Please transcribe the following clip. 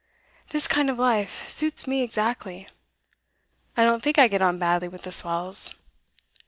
This kind of life suits me exactly. I don't think I get on badly with the swells.